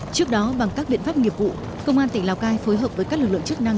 trước đó bằng các biện pháp nghiệp vụ công an tỉnh lào cai phối hợp với các lực lượng chức năng